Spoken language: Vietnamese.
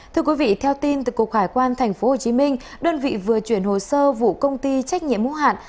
thưa quý vị theo tin từ cục hải quan tp hcm đơn vị vừa chuyển hồ sơ vụ công ty trách nhiệm hữu hạn